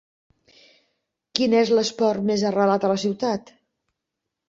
Quin és l'esport més arrelat a la ciutat?